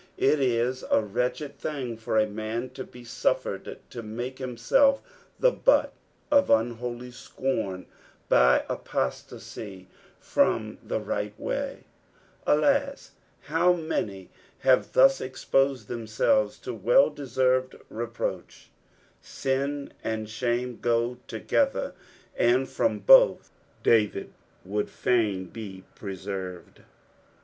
It is a wntchcd thing for a man to bo suffered to make himself the butt of unholy scorn by apostacy from the right wsy, Alas, how mnny have thus exposed themscIveB to well dcservcd reproaeh t Bin and shame go together, and from both David would fain be preserved.